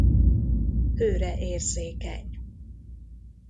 Hőre érzékeny.